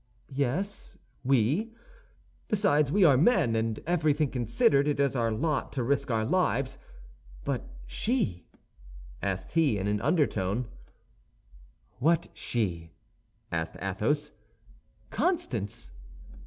"Yes, we. Besides, we are men; and everything considered, it is our lot to risk our lives; but she," asked he, in an undertone. "What she?" asked Athos. "Constance."